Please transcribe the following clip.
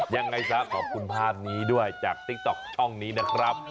ยังไงซะขอบคุณภาพนี้ด้วยจากติ๊กต๊อกช่องนี้นะครับ